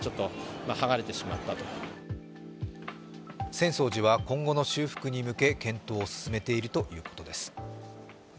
浅草寺は今後の修復に向け検討を進めているということです。